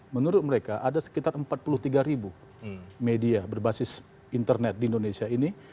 menurut mereka ada sekitar empat puluh tiga ribu media berbasis internet di indonesia ini